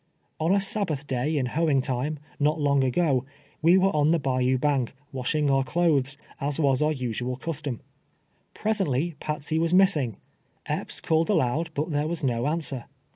On a Sabbath day in hoeing time, not long ago, we were on the bayou bank, washing our clothes, as was our usual custom. Presently Patsey was missing. Epps called aloud, but there was no answer.